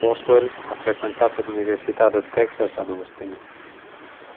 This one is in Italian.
Boswell ha frequentato l'università del Texas ad Austin.